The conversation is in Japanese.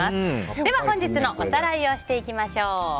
では本日のおさらいをしていきましょう。